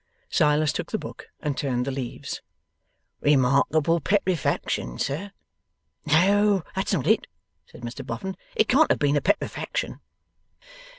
Silas took the book and turned the leaves. 'Remarkable petrefaction, sir?' 'No, that's not it,' said Mr Boffin. 'It can't have been a petrefaction.